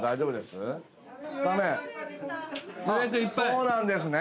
そうなんですね。